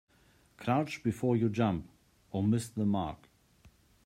Crouch before you jump or miss the mark.